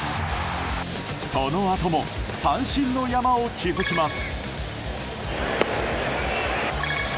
そのあとも三振の山を築きます。